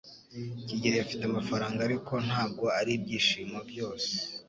Kigeri afite amafaranga. Ariko, ntabwo aribyishimo byose.